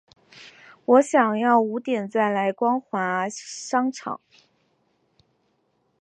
我想要五点再来光华商场